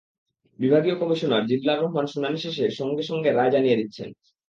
বিভাগীয় কমিশনার জিল্লার রহমান শুনানি শেষে সঙ্গে সঙ্গে রায় জানিয়ে দিচ্ছেন।